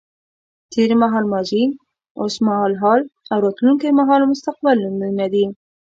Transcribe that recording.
تېر مهال ماضي، اوس مهال حال او راتلونکی مهال مستقبل نومونه دي.